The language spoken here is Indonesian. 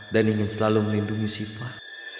dan ingin selalu melindungi sifah